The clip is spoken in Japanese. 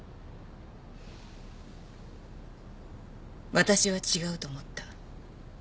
私は違うと思った。